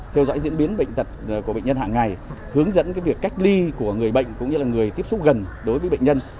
theo dõi diễn biến bệnh tật của bệnh nhân hàng ngày hướng dẫn việc cách ly của người bệnh cũng như là người tiếp xúc gần đối với bệnh nhân